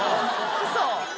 ウソ。）